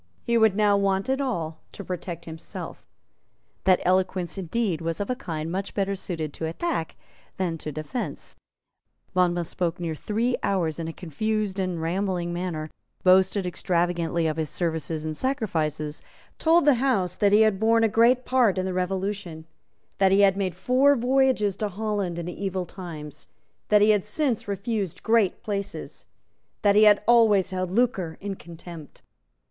He would now want it all to protect himself. That eloquence indeed was of a kind much better suited to attack than to defence. Monmouth spoke near three hours in a confused and rambling manner, boasted extravagantly of his services and sacrifices, told the House that he had borne a great part in the Revolution, that he had made four voyages to Holland in the evil times, that he had since refused great places, that he had always held lucre in contempt.